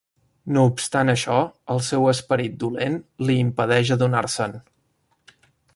No obstant això, el seu esperit dolent li impedeix adonar-se'n.